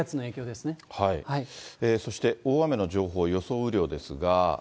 そして、大雨の情報、予想雨量ですが。